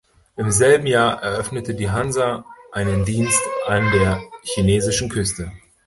Im selben Jahr eröffnete die „Hansa“ einen Dienst an der chinesischen Küste.